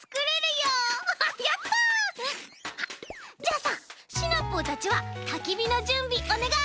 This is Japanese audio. あさシナプーたちはたきびのじゅんびおねがい！